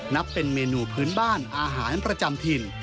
นับเป็นเมนูพื้นบ้านอาหารประจำถิ่น